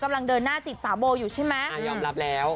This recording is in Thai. กำลังเดินหน้าจีบสาวโบอยู่ใช่ไหมอ่ายอมรับแล้ว